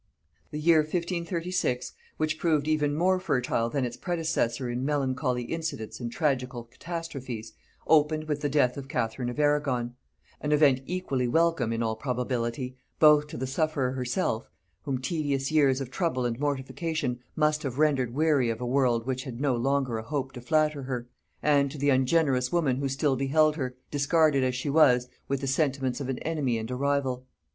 The year 1536, which proved even more fertile than its predecessor in melancholy incidents and tragical catastrophes, opened with the death of Catherine of Arragon; an event equally welcome, in all probability, both to the sufferer herself, whom tedious years of trouble and mortification must have rendered weary of a world which had no longer a hope to flatter her; and to the ungenerous woman who still beheld her, discarded as she was, with the sentiments of an enemy and a rival.